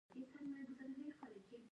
د سرو شونډو له پاسه سور پېزوان مه يادوه